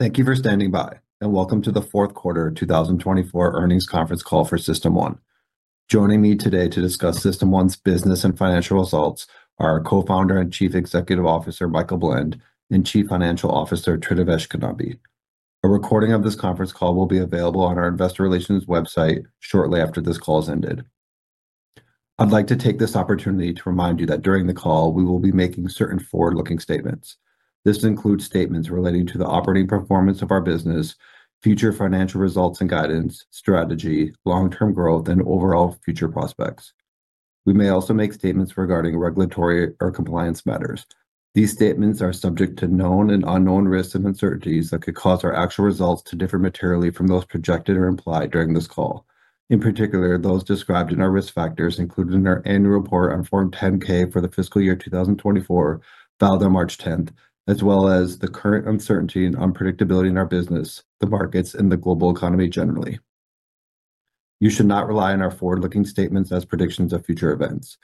Thank you for standing by, and welcome to the fourth quarter 2024 earnings conference call for System1. Joining me today to discuss System1's business and financial results are our Co-founder and Chief Executive Officer Michael Blend and Chief Financial Officer Tridivesh Kidambi. A recording of this conference call will be available on our investor relations website shortly after this call has ended. I'd like to take this opportunity to remind you that during the call, we will be making certain forward-looking statements. This includes statements relating to the operating performance of our business, future financial results and guidance, strategy, long-term growth, and overall future prospects. We may also make statements regarding regulatory or compliance matters. These statements are subject to known and unknown risks and uncertainties that could cause our actual results to differ materially from those projected or implied during this call. In particular, those described in our risk factors included in our annual report on Form 10-K for the fiscal year 2024 filed on March 10, as well as the current uncertainty and unpredictability in our business, the markets, and the global economy generally. You should not rely on our forward-looking statements as predictions of future events.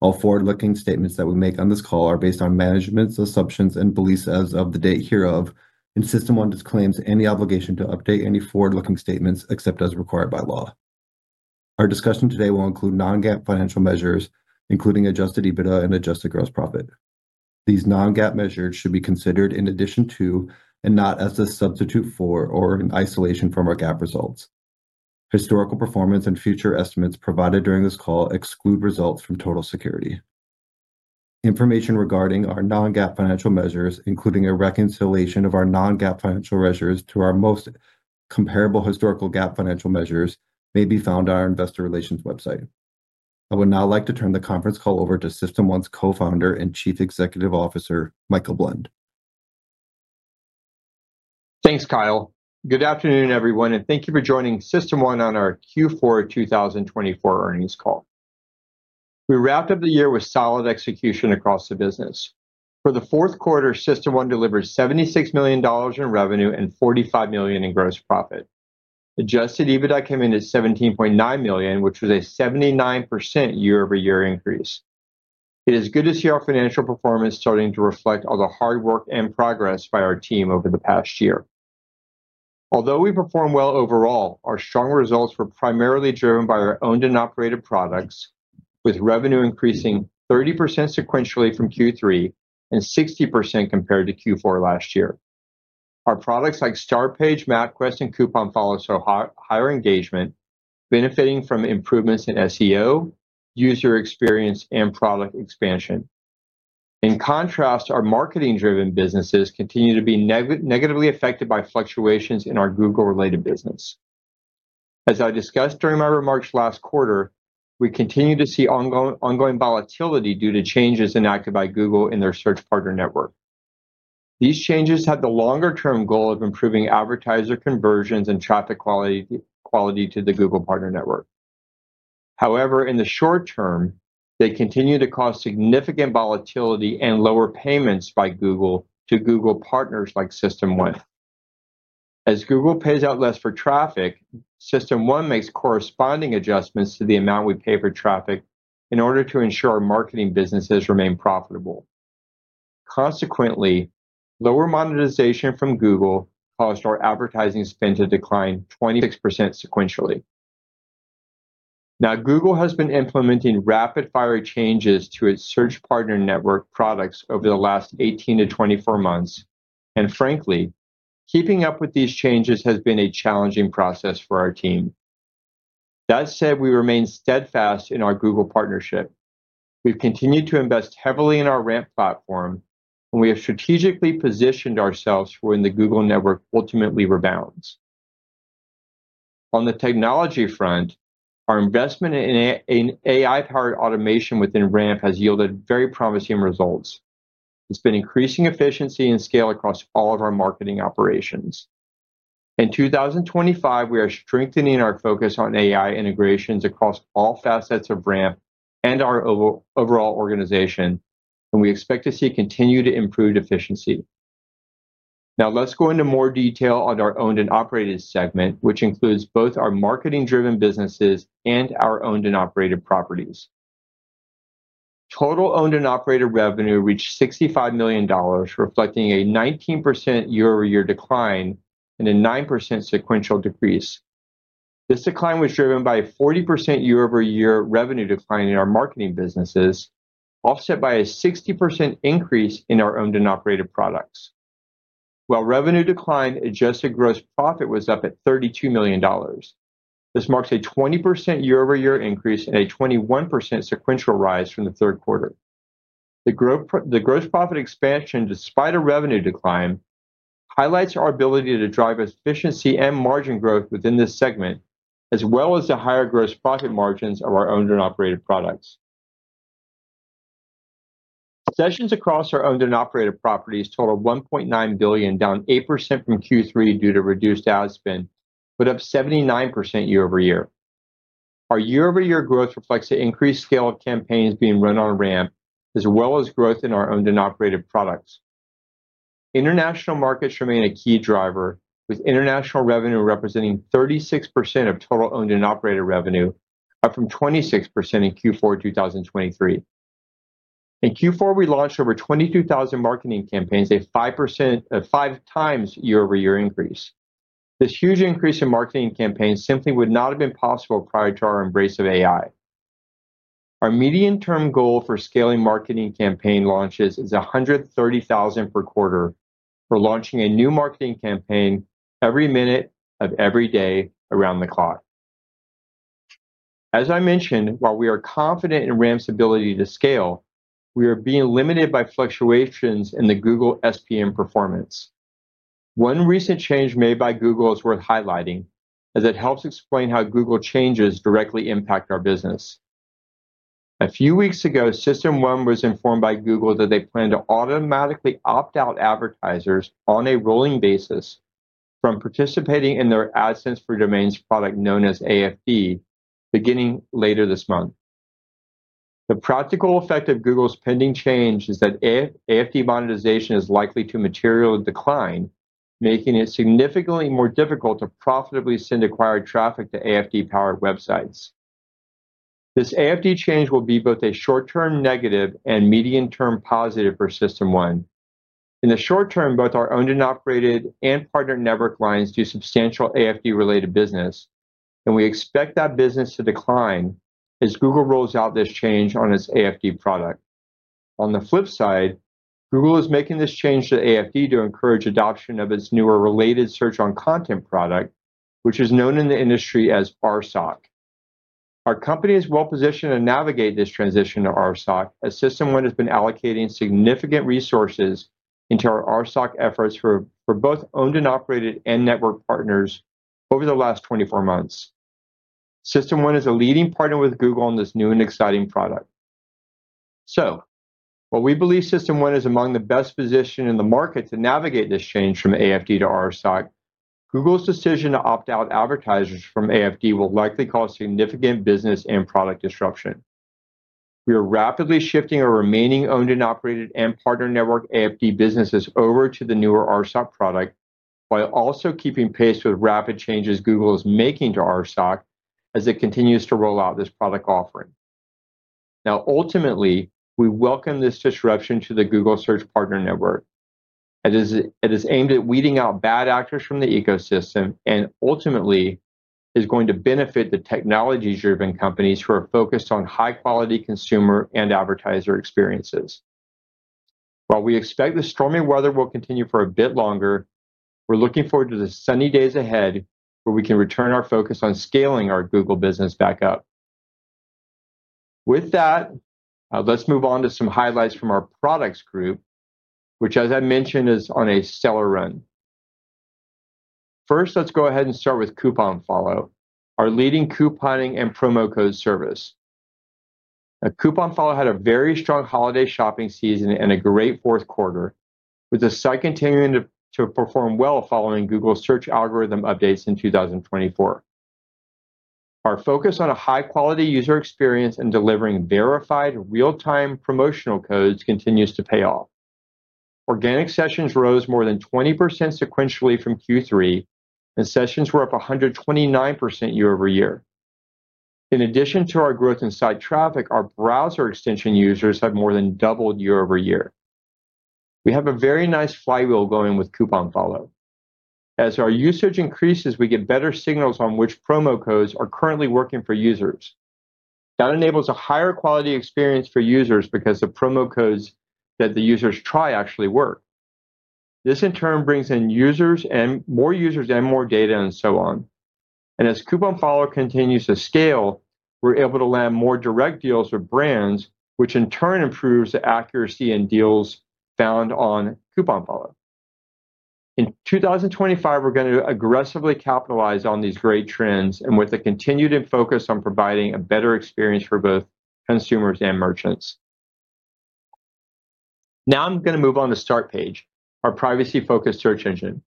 All forward-looking statements that we make on this call are based on management's assumptions and beliefs as of the date hereof, and System1 disclaims any obligation to update any forward-looking statements except as required by law. Our discussion today will include non-GAAP financial measures, including adjusted EBITDA and adjusted gross profit. These non-GAAP measures should be considered in addition to, and not as a substitute for, or in isolation from our GAAP results. Historical performance and future estimates provided during this call exclude results from Total Security. Information regarding our non-GAAP financial measures, including a reconciliation of our non-GAAP financial measures to our most comparable historical GAAP financial measures, may be found on our investor relations website. I would now like to turn the conference call over to System1's Co-founder and Chief Executive Officer, Michael Blend. Thanks, Kyle. Good afternoon, everyone, and thank you for joining System1 on our Q4 2024 earnings call. We wrapped up the year with solid execution across the business. For the fourth quarter, System1 delivered $76 million in revenue and $45 million in gross profit. Adjusted EBITDA came in at $17.9 million, which was a 79% year-over-year increase. It is good to see our financial performance starting to reflect all the hard work and progress by our team over the past year. Although we performed well overall, our strong results were primarily driven by our owned and operated products, with revenue increasing 30% sequentially from Q3 and 60% compared to Q4 last year. Our products like StartPage, MapQuest, and CouponFollow had higher engagement, benefiting from improvements in SEO, user experience, and product expansion. In contrast, our marketing-driven businesses continue to be negatively affected by fluctuations in our Google-related business. As I discussed during my remarks last quarter, we continue to see ongoing volatility due to changes enacted by Google in their search partner network. These changes have the longer-term goal of improving advertiser conversions and traffic quality to the Google partner network. However, in the short term, they continue to cause significant volatility and lower payments by Google to Google partners like System1. As Google pays out less for traffic, System1 makes corresponding adjustments to the amount we pay for traffic in order to ensure our marketing businesses remain profitable. Consequently, lower monetization from Google caused our advertising spend to decline 26% sequentially. Google has been implementing rapid-fire changes to its search partner network products over the last 18 to 24 months, and frankly, keeping up with these changes has been a challenging process for our team. That said, we remain steadfast in our Google partnership. We've continued to invest heavily in our RAMP platform, and we have strategically positioned ourselves for when the Google network ultimately rebounds. On the technology front, our investment in AI-powered automation within RAMP has yielded very promising results. It's been increasing efficiency and scale across all of our marketing operations. In 2025, we are strengthening our focus on AI integrations across all facets of RAMP and our overall organization, and we expect to see continued improved efficiency. Now, let's go into more detail on our owned and operated segment, which includes both our marketing-driven businesses and our owned and operated properties. Total owned and operated revenue reached $65 million, reflecting a 19% year-over-year decline and a 9% sequential decrease. This decline was driven by a 40% year-over-year revenue decline in our marketing businesses, offset by a 60% increase in our owned and operated products. While revenue declined, adjusted gross profit was up at $32 million. This marks a 20% year-over-year increase and a 21% sequential rise from the Q3. The gross profit expansion, despite a revenue decline, highlights our ability to drive efficiency and margin growth within this segment, as well as the higher gross profit margins of our owned and operated products. Sessions across our owned and operated properties total 1.9 billion, down 8% from Q3 due to reduced ad spend, but up 79% year-over-year. Our year-over-year growth reflects the increased scale of campaigns being run on RAMP, as well as growth in our owned and operated products. International markets remain a key driver, with international revenue representing 36% of total owned and operated revenue, up from 26% in Q4 2023. In Q4, we launched over 22,000 marketing campaigns, a 5-times year-over-year increase. This huge increase in marketing campaigns simply would not have been possible prior to our embrace of AI. Our medium-term goal for scaling marketing campaign launches is 130,000 per quarter for launching a new marketing campaign every minute of every day around the clock. As I mentioned, while we are confident in RAMP's ability to scale, we are being limited by fluctuations in the Google SPN performance. One recent change made by Google is worth highlighting, as it helps explain how Google changes directly impact our business. A few weeks ago, System1 was informed by Google that they plan to automatically opt out advertisers on a rolling basis from participating in their AdSense for Domains product known as AFD, beginning later this month. The practical effect of Google's pending change is that AFD monetization is likely to materially decline, making it significantly more difficult to profitably send acquired traffic to AFD-powered websites. This AFD change will be both a short-term negative and medium-term positive for System1. In the short term, both our owned and operated and partner network lines do substantial AFD-related business, and we expect that business to decline as Google rolls out this change on its AFD product. On the flip side, Google is making this change to AFD to encourage adoption of its newer Related Search on Content product, which is known in the industry as RSoC. Our company is well-positioned to navigate this transition to RSoC, as System1 has been allocating significant resources into our RSoC efforts for both owned and operated and network partners over the last 24 months. System1 is a leading partner with Google on this new and exciting product. While we believe System1 is among the best positioned in the market to navigate this change from AFD to RSoC, Google's decision to opt out advertisers from AFD will likely cause significant business and product disruption. We are rapidly shifting our remaining owned and operated and partner network AFD businesses over to the newer RSoC product while also keeping pace with rapid changes Google is making to RSoC as it continues to roll out this product offering. Ultimately, we welcome this disruption to the Google Search Partner Network. It is aimed at weeding out bad actors from the ecosystem and ultimately is going to benefit the technology-driven companies who are focused on high-quality consumer and advertiser experiences. While we expect the stormy weather will continue for a bit longer, we're looking forward to the sunny days ahead where we can return our focus on scaling our Google business back up. With that, let's move on to some highlights from our products group, which, as I mentioned, is on a stellar run. First, let's go ahead and start with CouponFollow, our leading couponing and promo code service. CouponFollow had a very strong holiday shopping season and a great fourth quarter, with the site continuing to perform well following Google's search algorithm updates in 2024. Our focus on a high-quality user experience and delivering verified, real-time promotional codes continues to pay off. Organic sessions rose more than 20% sequentially from Q3, and sessions were up 129% year-over-year. In addition to our growth in site traffic, our browser extension users have more than doubled year-over-year. We have a very nice flywheel going with CouponFollow. As our usage increases, we get better signals on which promo codes are currently working for users. That enables a higher quality experience for users because the promo codes that the users try actually work. This, in turn, brings in more users and more data and so on. As CouponFollow continues to scale, we're able to land more direct deals with brands, which in turn improves the accuracy in deals found on CouponFollow. In 2025, we're going to aggressively capitalize on these great trends and with a continued focus on providing a better experience for both consumers and merchants. Now I'm going to move on to StartPage, our privacy-focused search engine.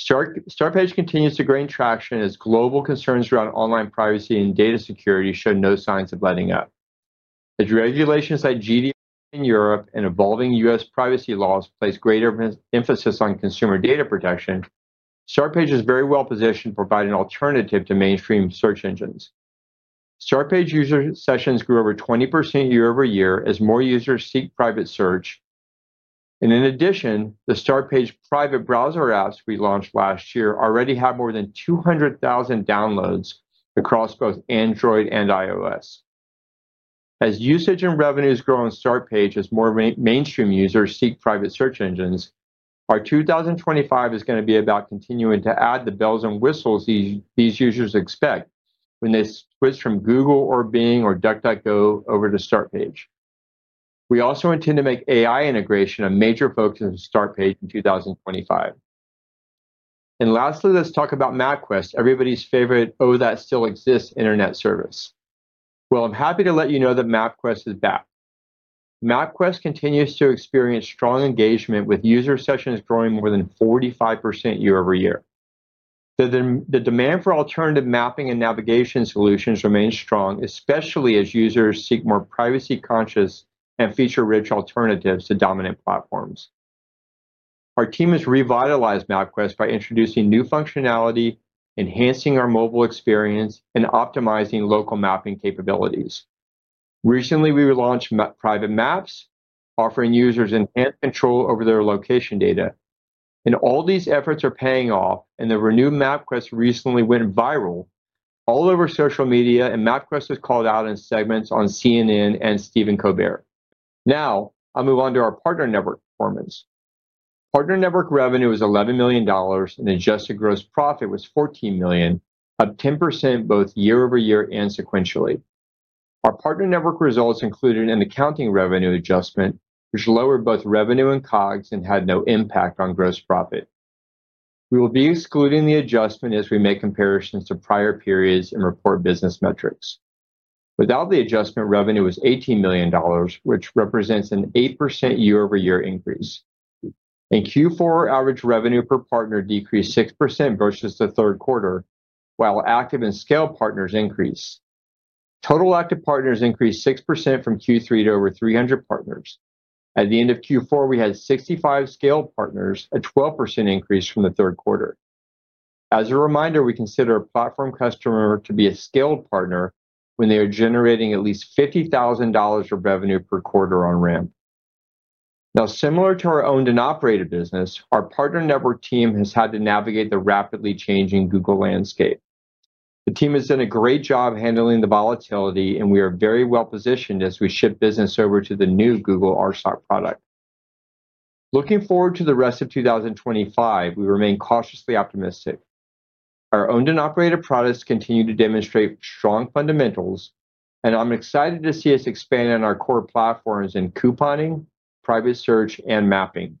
StartPage continues to gain traction as global concerns around online privacy and data security show no signs of letting up. As regulations like GDPR in Europe and evolving U.S. privacy laws place greater emphasis on consumer data protection, StartPage is very well-positioned to provide an alternative to mainstream search engines. StartPage user sessions grew over 20% year-over-year as more users seek private search. In addition, the StartPage private browser apps we launched last year already had more than 200,000 downloads across both Android and iOS. As usage and revenues grow on StartPage as more mainstream users seek private search engines, our 2025 is going to be about continuing to add the bells and whistles these users expect when they switch from Google or Bing or DuckDuckGo over to StartPage. We also intend to make AI integration a major focus of StartPage in 2025. Lastly, let's talk about MapQuest, everybody's favorite "Oh, that still exists" internet service. I am happy to let you know that MapQuest is back. MapQuest continues to experience strong engagement with user sessions growing more than 45% year-over-year. The demand for alternative mapping and navigation solutions remains strong, especially as users seek more privacy-conscious and feature-rich alternatives to dominant platforms. Our team has revitalized MapQuest by introducing new functionality, enhancing our mobile experience, and optimizing local mapping capabilities. Recently, we relaunched Private Maps, offering users enhanced control over their location data. All these efforts are paying off, and the renewed MapQuest recently went viral all over social media, and MapQuest was called out in segments on CNN and Stephen Colbert. Now, I'll move on to our partner network performance. Partner network revenue was $11 million, and adjusted gross profit was $14 million, up 10% both year-over-year and sequentially. Our partner network results included an accounting revenue adjustment, which lowered both revenue and COGS and had no impact on gross profit. We will be excluding the adjustment as we make comparisons to prior periods and report business metrics. Without the adjustment, revenue was $18 million, which represents an 8% year-over-year increase. In Q4, average revenue per partner decreased 6% versus the Q3, while active and scaled partners increased. Total active partners increased 6% from Q3 to over 300 partners. At the end of Q4, we had 65 scaled partners, a 12% increase from the Q3. As a reminder, we consider a platform customer to be a scaled partner when they are generating at least $50,000 of revenue per quarter on RAMP. Now, similar to our owned and operated business, our partner network team has had to navigate the rapidly changing Google landscape. The team has done a great job handling the volatility, and we are very well-positioned as we shift business over to the new Google RSoC product. Looking forward to the rest of 2025, we remain cautiously optimistic. Our owned and operated products continue to demonstrate strong fundamentals, and I'm excited to see us expand on our core platforms in couponing, private search, and mapping.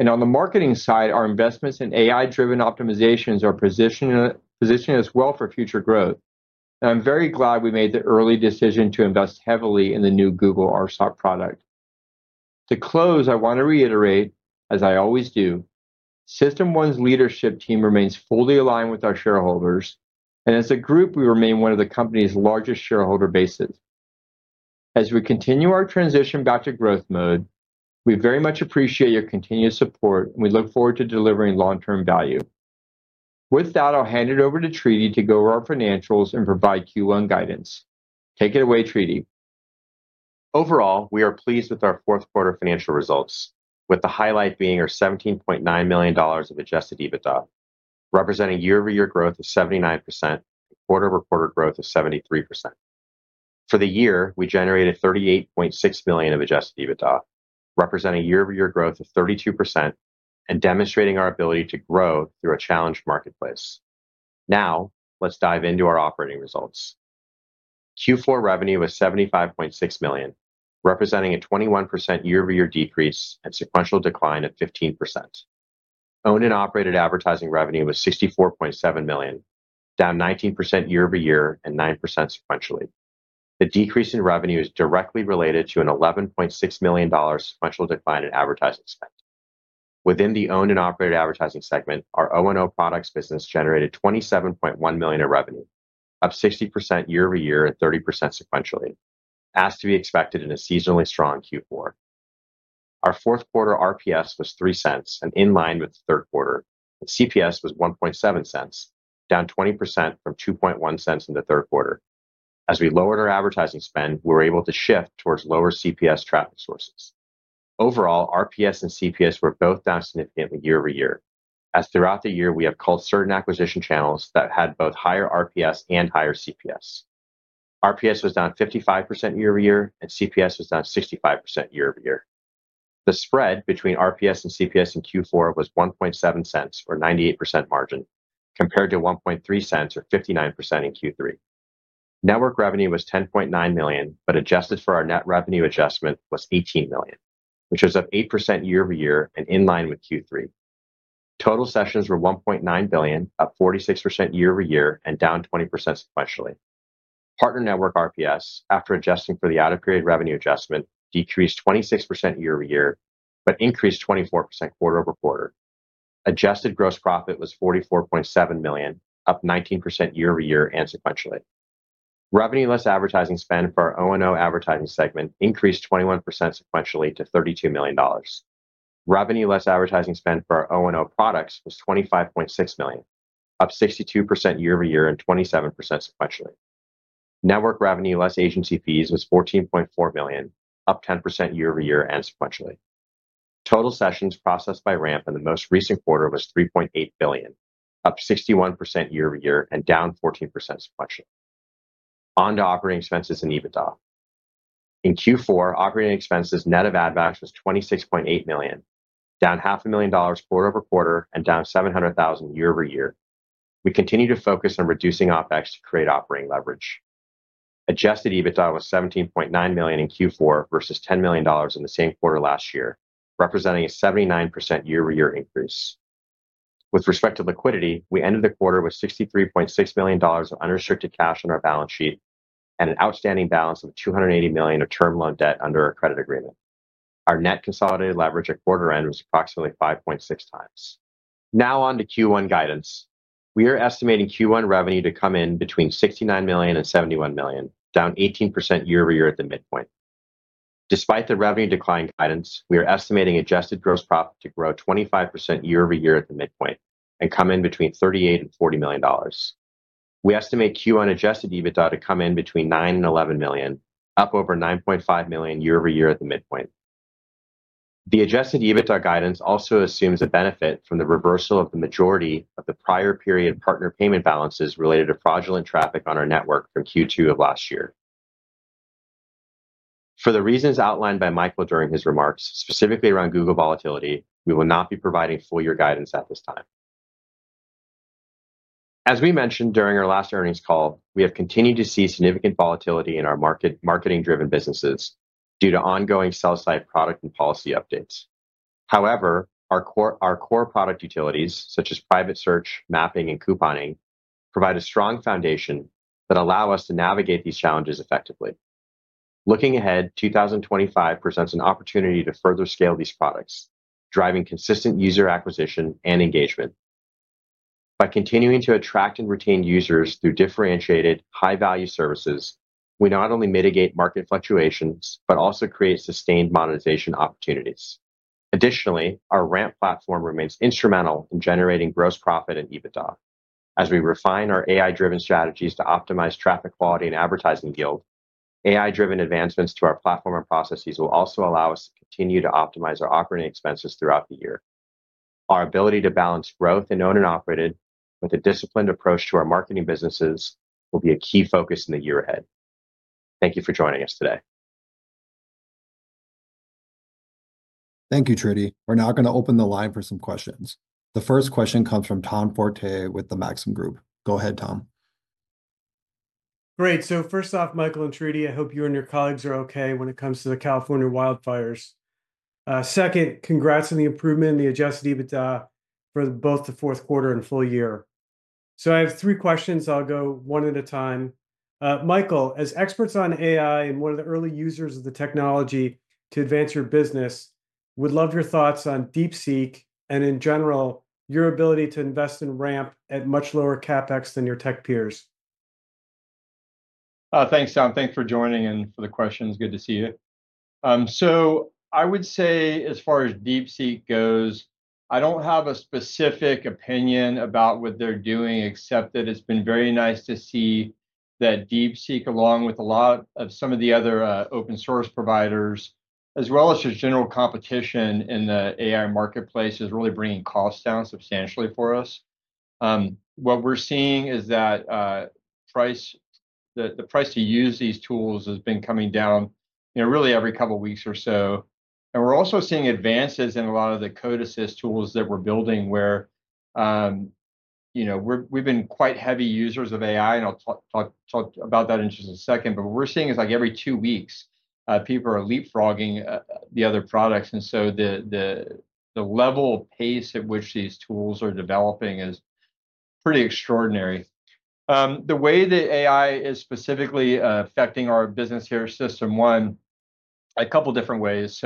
On the marketing side, our investments in AI-driven optimizations are positioning us well for future growth. I'm very glad we made the early decision to invest heavily in the new Google RSoC product. To close, I want to reiterate, as I always do, System1's leadership team remains fully aligned with our shareholders, and as a group, we remain one of the company's largest shareholder bases. As we continue our transition back to growth mode, we very much appreciate your continued support, and we look forward to delivering long-term value. With that, I'll hand it over to Tridivesh to go over our financials and provide Q1 guidance. Take it away, Tridivesh. Overall, we are pleased with our fourth quarter financial results, with the highlight being our $17.9 million of adjusted EBITDA, representing year-over-year growth of 79% and quarter-over-quarter growth of 73%. For the year, we generated $38.6 million of adjusted EBITDA, representing year-over-year growth of 32% and demonstrating our ability to grow through a challenged marketplace. Now, let's dive into our operating results. Q4 revenue was $75.6 million, representing a 21% year-over-year decrease and sequential decline of 15%. Owned and operated advertising revenue was $64.7 million, down 19% year-over-year and 9% sequentially. The decrease in revenue is directly related to an $11.6 million sequential decline in advertising spend. Within the owned and operated advertising segment, our O&O products business generated $27.1 million of revenue, up 60% year-over-year and 30% sequentially, as to be expected in a seasonally strong Q4. Our fourth quarter RPS was $0.03, and in line with the Q3, CPS was $0.07, down 20% from $0.02 in the Q3. As we lowered our advertising spend, we were able to shift towards lower CPS traffic sources. Overall, RPS and CPS were both down significantly year-over-year, as throughout the year we have culled certain acquisition channels that had both higher RPS and higher CPS. RPS was down 55% year-over-year, and CPS was down 65% year-over-year. The spread between RPS and CPS in Q4 was $0.07, or 98% margin, compared to $0.03, or 59% in Q3. Network revenue was $10.9 million, but adjusted for our net revenue adjustment was $18 million, which is up 8% year-over-year and in line with Q3. Total sessions were $1.9 billion, up 46% year-over-year and down 20% sequentially. Partner network RPS, after adjusting for the out-of-period revenue adjustment, decreased 26% year-over-year but increased 24% quarter-over-quarter. Adjusted gross profit was $44.7 million, up 19% year-over-year and sequentially. Revenue-less advertising spend for our O&O advertising segment increased 21% sequentially to $32 million. Revenue-less advertising spend for our O&O products was $25.6 million, up 62% year-over-year and 27% sequentially. Network revenue-less agency fees was $14.4 million, up 10% year-over-year and sequentially. Total sessions processed by RAMP in the most recent quarter was $3.8 billion, up 61% year-over-year and down 14% sequentially. On to operating expenses and EBITDA. In Q4, operating expenses net of advance was $26.8 million, down $0.5 million quarter-over-quarter and down $700,000 year-over-year. We continue to focus on reducing OPEX to create operating leverage. Adjusted EBITDA was $17.9 million in Q4 versus $10 million in the same quarter last year, representing a 79% year-over-year increase. With respect to liquidity, we ended the quarter with $63.6 million of unrestricted cash on our balance sheet and an outstanding balance of $280 million of term loan debt under our credit agreement. Our net consolidated leverage at quarter end was approximately 5.6 times. Now on to Q1 guidance. We are estimating Q1 revenue to come in between $69 million and $71 million, down 18% year-over-year at the midpoint. Despite the revenue decline guidance, we are estimating adjusted gross profit to grow 25% year-over-year at the midpoint and come in between $38 million and $40 million. We estimate Q1 adjusted EBITDA to come in between $9 million and $11 million, up over $9.5 million year-over-year at the midpoint. The adjusted EBITDA guidance also assumes a benefit from the reversal of the majority of the prior period partner payment balances related to fraudulent traffic on our network from Q2 of last year. For the reasons outlined by Michael during his remarks, specifically around Google volatility, we will not be providing full-year guidance at this time. As we mentioned during our last earnings call, we have continued to see significant volatility in our marketing-driven businesses due to ongoing sell-side product and policy updates. However, our core product utilities, such as private search, mapping, and couponing, provide a strong foundation that allow us to navigate these challenges effectively. Looking ahead, 2025 presents an opportunity to further scale these products, driving consistent user acquisition and engagement. By continuing to attract and retain users through differentiated, high-value services, we not only mitigate market fluctuations but also create sustained monetization opportunities. Additionally, our RAMP platform remains instrumental in generating gross profit and EBITDA. As we refine our AI-driven strategies to optimize traffic quality and advertising yield, AI-driven advancements to our platform and processes will also allow us to continue to optimize our operating expenses throughout the year. Our ability to balance growth and owned and operated with a disciplined approach to our marketing businesses will be a key focus in the year ahead. Thank you for joining us today. Thank you, Tridivesh. We're now going to open the line for some questions. The first question comes from Tom Forte with the Maxim Group. Go ahead, Tom. Great. First off, Michael and Tridivesh, I hope you and your colleagues are okay when it comes to the California wildfires. Second, congrats on the improvement in the adjusted EBITDA for both the fourth quarter and full year. I have three questions. I'll go one at a time. Michael, as experts on AI and one of the early users of the technology to advance your business, would love your thoughts on DeepSeek and, in general, your ability to invest in RAMP at much lower CapEx than your tech peers. Thanks, Tom. Thanks for joining and for the questions. Good to see you. I would say, as far as DeepSeek goes, I don't have a specific opinion about what they're doing, except that it's been very nice to see that DeepSeek, along with a lot of some of the other open-source providers, as well as just general competition in the AI marketplace, is really bringing costs down substantially for us. What we're seeing is that the price to use these tools has been coming down really every couple of weeks or so. We're also seeing advances in a lot of the code assist tools that we're building, where we've been quite heavy users of AI, and I'll talk about that in just a second. What we're seeing is, like every two weeks, people are leapfrogging the other products. The level of pace at which these tools are developing is pretty extraordinary. The way that AI is specifically affecting our business here at System1, a couple of different ways.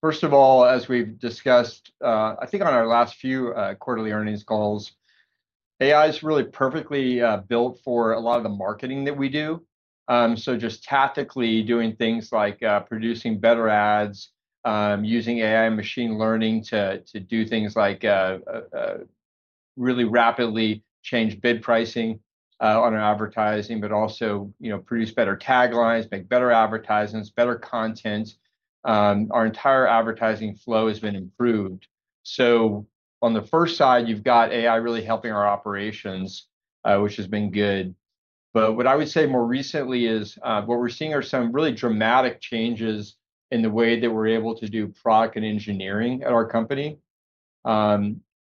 First of all, as we've discussed, I think on our last few quarterly earnings calls, AI is really perfectly built for a lot of the marketing that we do. Just tactically doing things like producing better ads, using AI and machine learning to do things like really rapidly change bid pricing on our advertising, but also produce better taglines, make better advertisements, better content. Our entire advertising flow has been improved. On the first side, you've got AI really helping our operations, which has been good. What I would say more recently is what we're seeing are some really dramatic changes in the way that we're able to do product and engineering at our company.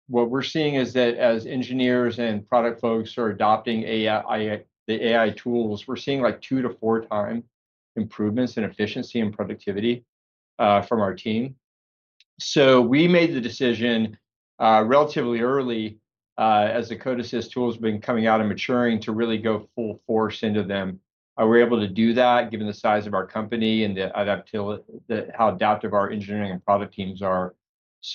What we're seeing is that as engineers and product folks are adopting the AI tools, we're seeing like two- to four-time improvements in efficiency and productivity from our team. We made the decision relatively early, as the code assist tools have been coming out and maturing, to really go full force into them. We're able to do that, given the size of our company and how adaptive our engineering and product teams are.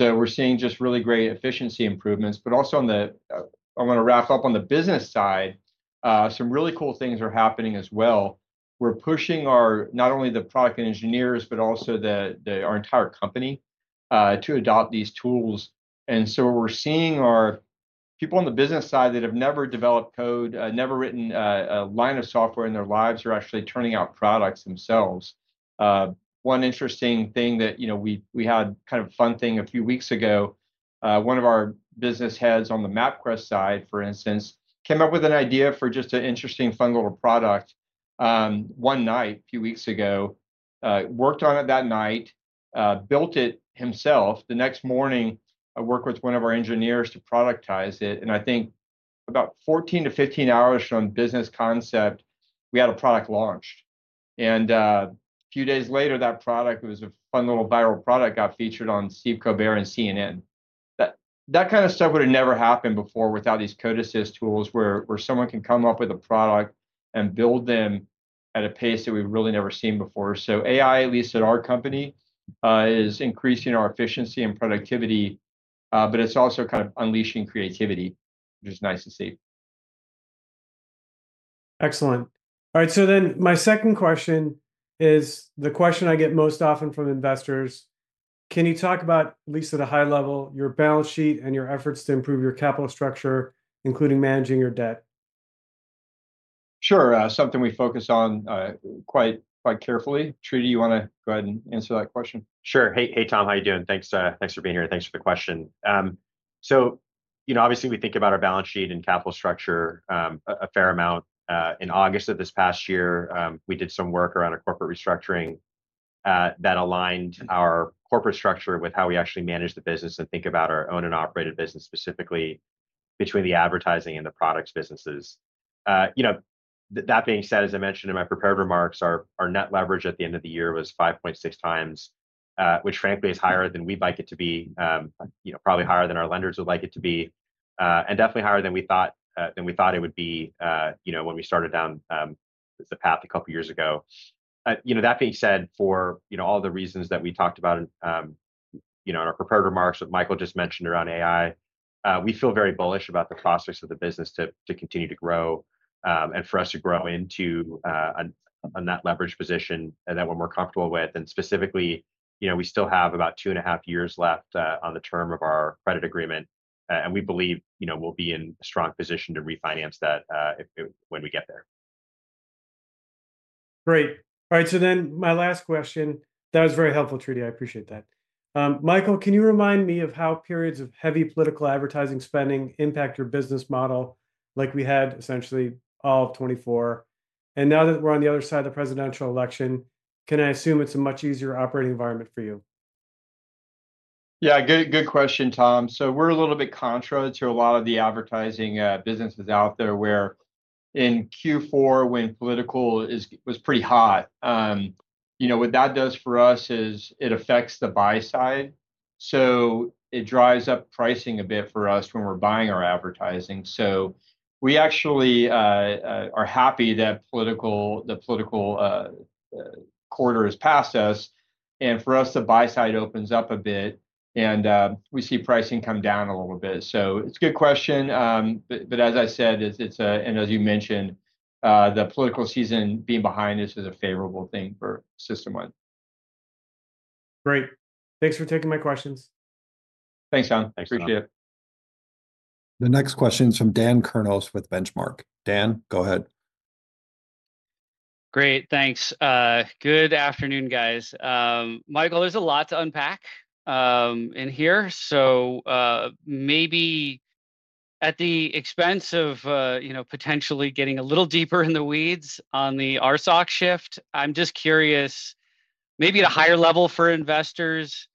We're seeing just really great efficiency improvements. Also, I want to wrap up on the business side. Some really cool things are happening as well. We're pushing not only the product and engineers, but also our entire company to adopt these tools. We're seeing our people on the business side that have never developed code, never written a line of software in their lives, are actually turning out products themselves. One interesting thing that we had, kind of a fun thing a few weeks ago, one of our business heads on the MapQuest side, for instance, came up with an idea for just an interesting fun little product one night a few weeks ago, worked on it that night, built it himself. The next morning, I worked with one of our engineers to productize it. I think about 14-15 hours from business concept, we had a product launched. A few days later, that product, it was a fun little viral product, got featured on Stephen Colbert and CNN. That kind of stuff would have never happened before without these code assist tools, where someone can come up with a product and build them at a pace that we've really never seen before. AI, at least at our company, is increasing our efficiency and productivity, but it's also kind of unleashing creativity, which is nice to see. Excellent. All right. My second question is the question I get most often from investors. Can you talk about, at least at a high level, your balance sheet and your efforts to improve your capital structure, including managing your debt? Sure. Something we focus on quite carefully. Tridivesh, you want to go ahead and answer that question? Sure. Hey, Tom, how are you doing? Thanks for being here. Thanks for the question. Obviously, we think about our balance sheet and capital structure a fair amount. In August of this past year, we did some work around our corporate restructuring that aligned our corporate structure with how we actually manage the business and think about our owned and operated business specifically between the advertising and the products businesses. That being said, as I mentioned in my prepared remarks, our net leverage at the end of the year was 5.6 times, which, frankly, is higher than we'd like it to be, probably higher than our lenders would like it to be, and definitely higher than we thought it would be when we started down the path a couple of years ago. That being said, for all the reasons that we talked about in our prepared remarks that Michael just mentioned around AI, we feel very bullish about the prospects of the business to continue to grow and for us to grow into a net leverage position that we're more comfortable with. Specifically, we still have about two and a half years left on the term of our credit agreement, and we believe we'll be in a strong position to refinance that when we get there. Great. All right. My last question. That was very helpful, Tridivesh. I appreciate that. Michael, can you remind me of how periods of heavy political advertising spending impact your business model like we had essentially all of 2024? Now that we're on the other side of the presidential election, can I assume it's a much easier operating environment for you? Yeah. Good question, Tom. We are a little bit contra to a lot of the advertising businesses out there where in Q4, when political was pretty hot. What that does for us is it affects the buy side. It drives up pricing a bit for us when we are buying our advertising. We actually are happy that the political quarter has passed us. For us, the buy side opens up a bit, and we see pricing come down a little bit. It is a good question. As I said, and as you mentioned, the political season being behind us is a favorable thing for System1. Great. Thanks for taking my questions. Thanks, Tom. Appreciate it. The next question is from Daniel Kurnos with Benchmark. Daniel, go ahead. Great. Thanks. Good afternoon, guys. Michael, there is a lot to unpack in here. Maybe at the expense of potentially getting a little deeper in the weeds on the RSoC shift, I'm just curious, maybe at a higher level for investors,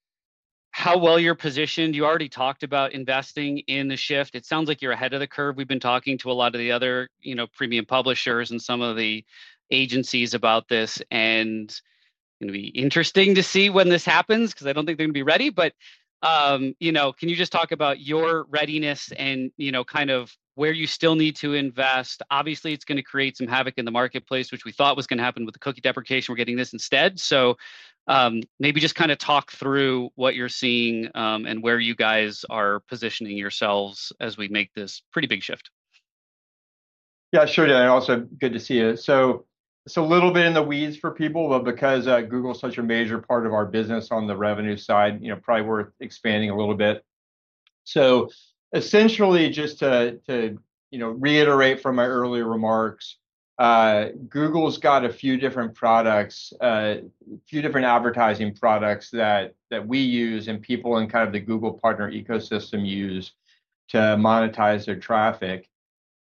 how well you're positioned. You already talked about investing in the shift. It sounds like you're ahead of the curve. We've been talking to a lot of the other premium publishers and some of the agencies about this. It's going to be interesting to see when this happens because I don't think they're going to be ready. Can you just talk about your readiness and kind of where you still need to invest? Obviously, it's going to create some havoc in the marketplace, which we thought was going to happen with the cookie deprecation. We're getting this instead. Maybe just kind of talk through what you're seeing and where you guys are positioning yourselves as we make this pretty big shift. Yeah, sure, Daniel. Also, good to see you. It's a little bit in the weeds for people, but because Google is such a major part of our business on the revenue side, probably worth expanding a little bit. Essentially, just to reiterate from my earlier remarks, Google's got a few different products, a few different advertising products that we use and people in kind of the Google partner ecosystem use to monetize their traffic.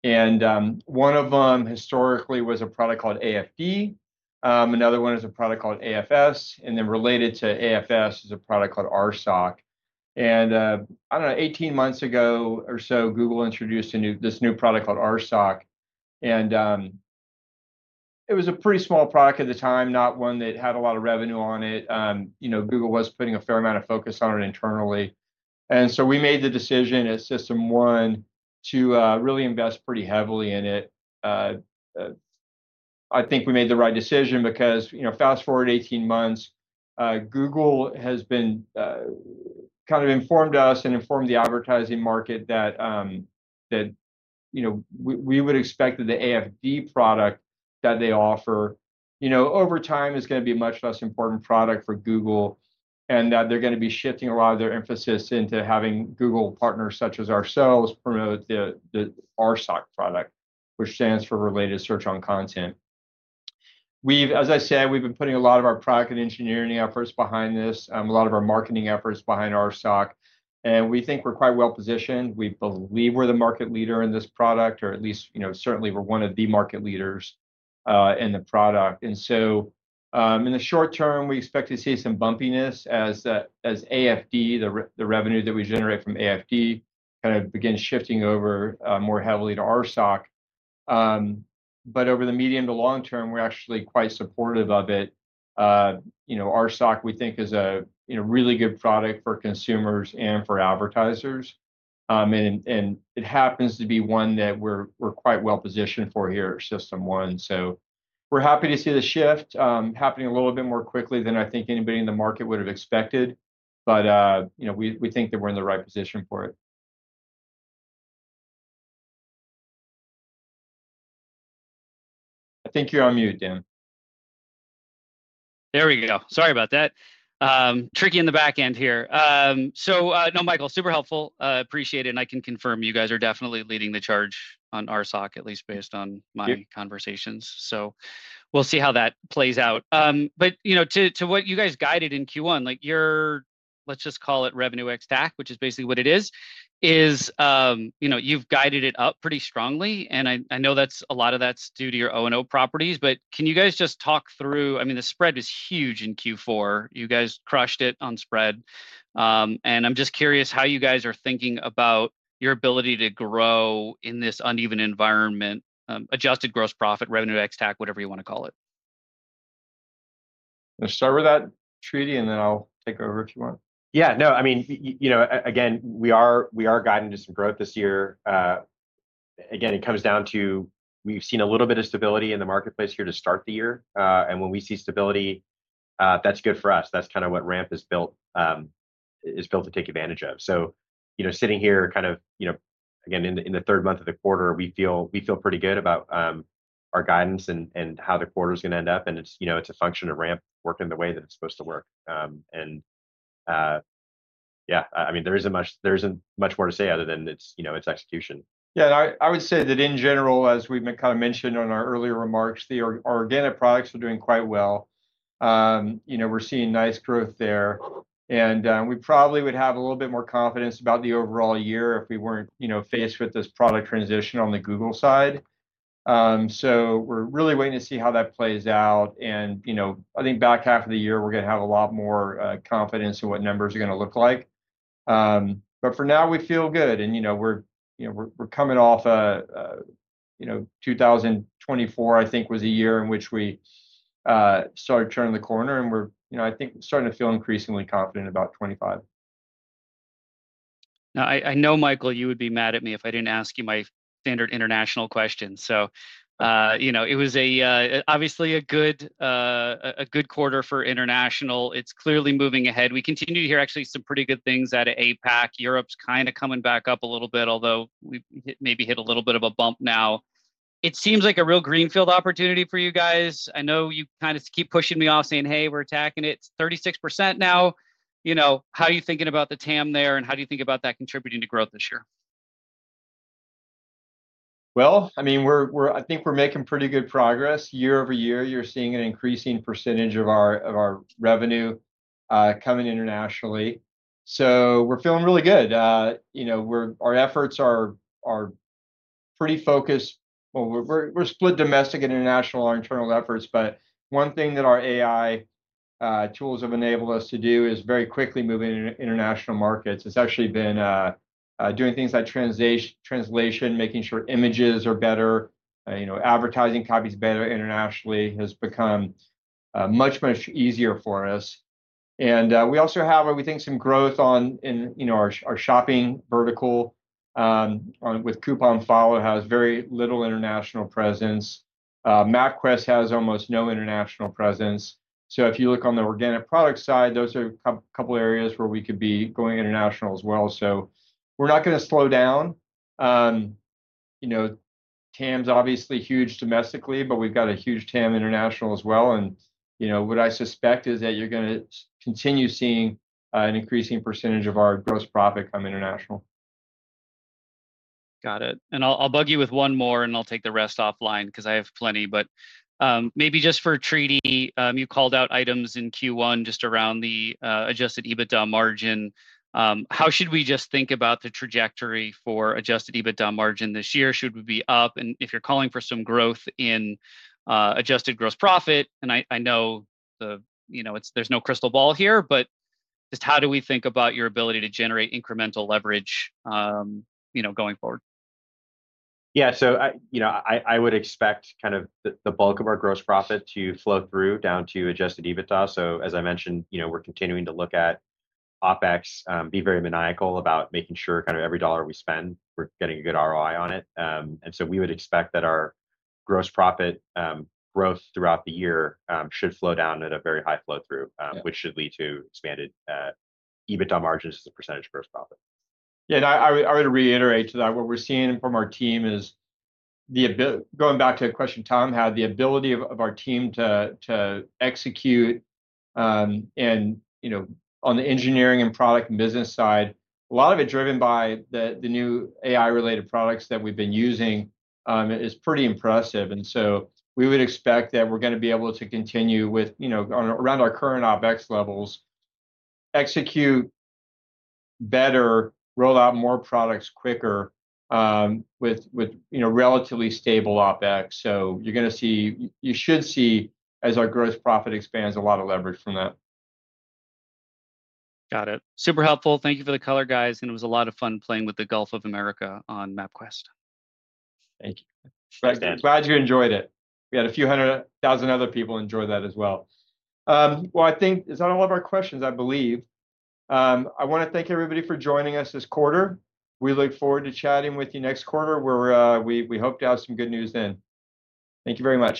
One of them historically was a product called AFD. Another one is a product called AFS. Related to AFS is a product called RSOC. I don't know, 18 months ago or so, Google introduced this new product called RSOC. It was a pretty small product at the time, not one that had a lot of revenue on it. Google was putting a fair amount of focus on it internally. We made the decision at System1 to really invest pretty heavily in it. I think we made the right decision because fast forward 18 months, Google has kind of informed us and informed the advertising market that we would expect that the AFD product that they offer over time is going to be a much less important product for Google and that they're going to be shifting a lot of their emphasis into having Google partners such as ourselves promote the RSoC product, which stands for Related Search on Content. As I said, we've been putting a lot of our product and engineering efforts behind this, a lot of our marketing efforts behind RSoC. We think we're quite well positioned. We believe we're the market leader in this product, or at least certainly we're one of the market leaders in the product. In the short term, we expect to see some bumpiness as AFD, the revenue that we generate from AFD, kind of begins shifting over more heavily to RSoC. Over the medium to long term, we're actually quite supportive of it. RSoC, we think, is a really good product for consumers and for advertisers. It happens to be one that we're quite well positioned for here at System1. We're happy to see the shift happening a little bit more quickly than I think anybody in the market would have expected. We think that we're in the right position for it. I think you're on mute, Daniel. There we go. Sorry about that. Tricky in the back end here. No, Michael, super helpful. Appreciate it. I can confirm you guys are definitely leading the charge on RSoC, at least based on my conversations. We will see how that plays out. To what you guys guided in Q1, your, let's just call it revenue ex-tac, which is basically what it is, is you've guided it up pretty strongly. I know a lot of that's due to your O&O properties. Can you guys just talk through, I mean, the spread is huge in Q4. You guys crushed it on spread. I'm just curious how you guys are thinking about your ability to grow in this uneven environment, adjusted gross profit, revenue ex-tac, whatever you want to call it. Let's start with that, Tridivesh, and then I'll take over if you want. Yeah. No, I mean, again, we are guiding to some growth this year. Again, it comes down to we've seen a little bit of stability in the marketplace here to start the year. When we see stability, that's good for us. That's kind of what RAMP is built to take advantage of. Sitting here, kind of again, in the third month of the quarter, we feel pretty good about our guidance and how the quarter is going to end up. It's a function of RAMP working the way that it's supposed to work. Yeah, I mean, there isn't much more to say other than it's execution. Yeah. I would say that in general, as we've kind of mentioned in our earlier remarks, our organic products are doing quite well. We're seeing nice growth there. We probably would have a little bit more confidence about the overall year if we were not faced with this product transition on the Google side. We are really waiting to see how that plays out. I think back half of the year, we are going to have a lot more confidence in what numbers are going to look like. For now, we feel good. We are coming off 2024, which I think was a year in which we started turning the corner. We are, I think, starting to feel increasingly confident about 2025. I know, Michael, you would be mad at me if I did not ask you my standard international question. It was obviously a good quarter for international. It is clearly moving ahead. We continue to hear, actually, some pretty good things at APAC. Europe's kind of coming back up a little bit, although we maybe hit a little bit of a bump now. It seems like a real greenfield opportunity for you guys. I know you kind of keep pushing me off saying, "Hey, we're attacking it. It's 36% now." How are you thinking about the TAM there? How do you think about that contributing to growth this year? I mean, I think we're making pretty good progress. Year over year, you're seeing an increasing percentage of our revenue coming internationally. We are feeling really good. Our efforts are pretty focused. We are split domestic and international, our internal efforts. One thing that our AI tools have enabled us to do is very quickly move into international markets. It's actually been doing things like translation, making sure images are better, advertising copy is better internationally has become much, much easier for us. We also have, we think, some growth in our shopping vertical with CouponFollow has very little international presence. MapQuest has almost no international presence. If you look on the organic product side, those are a couple of areas where we could be going international as well. We're not going to slow down. TAM's obviously huge domestically, but we've got a huge TAM international as well. What I suspect is that you're going to continue seeing an increasing percentage of our gross profit come international. Got it. I'll bug you with one more, and I'll take the rest offline because I have plenty. Maybe just for Tridivesh, you called out items in Q1 just around the adjusted EBITDA margin. How should we just think about the trajectory for adjusted EBITDA margin this year? Should we be up? If you're calling for some growth in adjusted gross profit, and I know there's no crystal ball here, just how do we think about your ability to generate incremental leverage going forward? Yeah. I would expect kind of the bulk of our gross profit to flow through down to adjusted EBITDA. As I mentioned, we're continuing to look at OPEX, be very maniacal about making sure kind of every dollar we spend, we're getting a good ROI on it. We would expect that our gross profit growth throughout the year should flow down at a very high flow-through, which should lead to expanded EBITDA margins as a percentage of gross profit. Yeah. I would reiterate too that what we're seeing from our team is, going back to the question, Tom, how the ability of our team to execute on the engineering and product and business side, a lot of it driven by the new AI-related products that we've been using, is pretty impressive. We would expect that we're going to be able to continue with, around our current OPEX levels, execute better, roll out more products quicker with relatively stable OPEX. You should see, as our gross profit expands, a lot of leverage from that. Got it. Super helpful. Thank you for the color, guys. It was a lot of fun playing with the Gulf of America on MapQuest. Thank you. Glad you enjoyed it. We had a few hundred thousand other people enjoy that as well. I think that is all of our questions, I believe. I want to thank everybody for joining us this quarter. We look forward to chatting with you next quarter where we hope to have some good news then. Thank you very much.